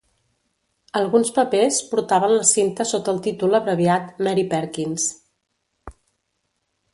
Alguns papers portaven la cinta sota el títol abreviat Mary Perkins.